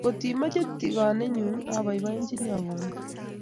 Ngot imoche tigonet nyu, aboibochini akonin